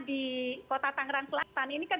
di kota tangerang selatan ini kan